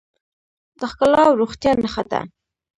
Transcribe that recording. د ښکلا او روغتیا نښه ده.